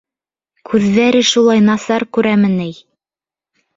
— Күҙҙәре шулай насар күрәме ни?